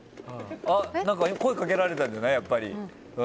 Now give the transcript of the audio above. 何か声掛けられたんじゃない？